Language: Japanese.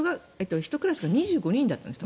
１クラスが２５人だったんです。